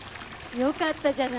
よかったじゃない。